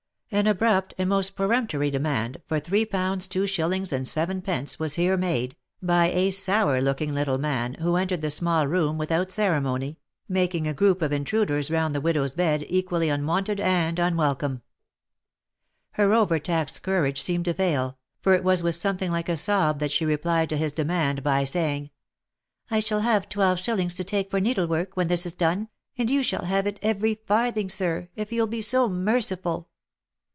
An abrupt, and most peremptory demand, for three pounds two shillings and seven pence, was here made, by a sour looking little man, who entered the small room without ceremony, making a group of intruders round the widows bed, equally unwonted and unwelcome. Her over taxed courage seemed to fail, for it was with something like a sob that she replied to his demand by saying, " I shall have twelve shillings to take for needlework, when this is done, and you shall have it every farthing sir, if you'll be so merciful."